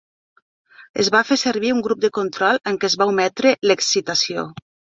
Es va fer servir un grup de control en què es va ometre l'excitació.